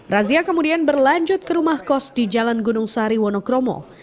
razia kemudian berlanjut ke rumah kos di jalan gunung sari wonokromo